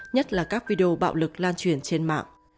nhất là các video bạo lực lan truyền trên mạng